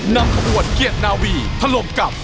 นำขวดเกียจนาวีทะลงกับ